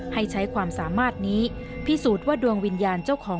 ให้ใช้ความสามารถนี้พิสูจน์ว่าดวงวิญญาณเจ้าของ